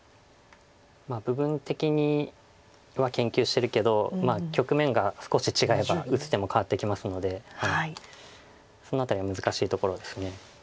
部分的には研究してるけど局面が少し違えば打つ手も変わってきますのでその辺りは難しいところです。